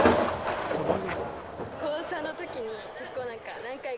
その上。